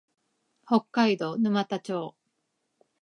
北海道沼田町